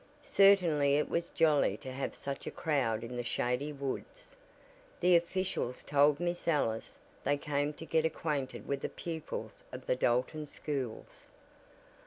Certainly it was jolly to have such a crowd in the shady woods. The officials told Miss Ellis they came to get acquainted with the pupils of the Dalton schools.